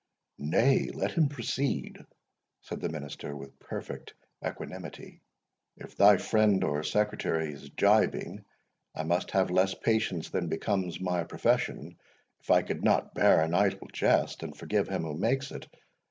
"Nay, let him proceed," said the minister, with perfect equanimity: "if thy friend, or secretary, is gibing, I must have less patience than becomes my profession, if I could not bear an idle jest, and forgive him who makes it.